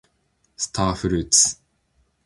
スターフルーツ